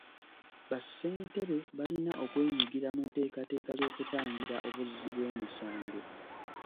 Bassentebe balina okwenyigira mu nteekateeka z'okutangira obuzzi bw'emisango.